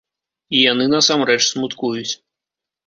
І яны насамрэч смуткуюць.